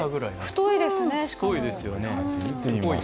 太いですよね。